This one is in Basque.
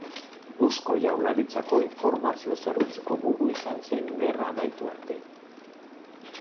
Eusko Jaurlaritzako informazio zerbitzuko buru izan zen gerra amaitu arte.